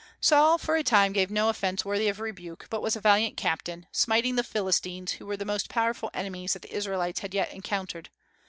Saul for a time gave no offence worthy of rebuke, but was a valiant captain, smiting the Philistines, who were the most powerful enemies that the Israelites had yet encountered.